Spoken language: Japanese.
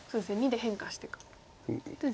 ②で変化していく。